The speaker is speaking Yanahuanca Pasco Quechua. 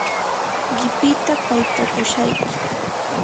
qipita paytakushayki.